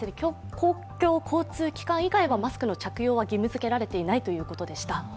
公共交通機関以外はマスクの着用は義務づけられていないということでした。